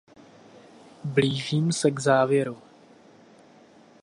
Blížím se k závěru.